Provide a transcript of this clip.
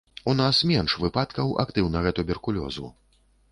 У нас менш выпадкаў актыўнага туберкулёзу.